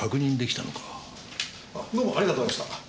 あっどうもありがとうございました。